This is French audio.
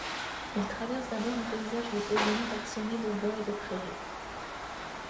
Il traverse d’abord un paysage de collines parsemées de bois et de prairies.